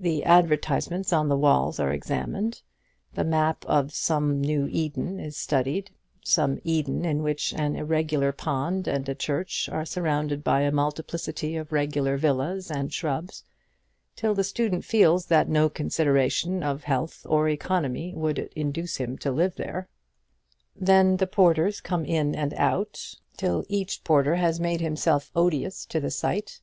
The advertisements on the walls are examined, the map of some new Eden is studied some Eden in which an irregular pond and a church are surrounded by a multiplicity of regular villas and shrubs till the student feels that no consideration of health or economy would induce him to live there. Then the porters come in and out, till each porter has made himself odious to the sight.